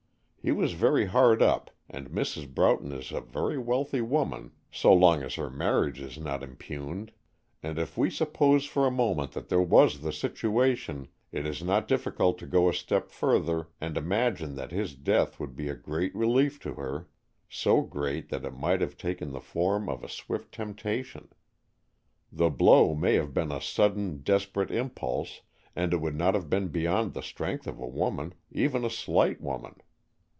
He was very hard up and Mrs. Broughton is a very wealthy woman, so long as her marriage is not impugned. And if we suppose for a moment that that was the situation, it is not difficult to go a step further and imagine that his death would be a great relief to her, so great that it might have taken the form of a swift temptation. The blow may have been a sudden, desperate impulse, and it would not have been beyond the strength of a woman, even a slight woman.